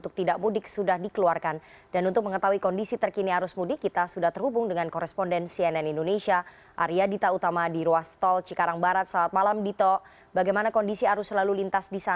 tidak terpecah begitu menyambut